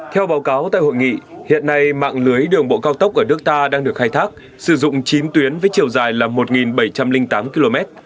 theo báo cáo tại hội nghị hiện nay mạng lưới đường bộ cao tốc ở nước ta đang được khai thác sử dụng chín tuyến với chiều dài là một bảy trăm linh tám km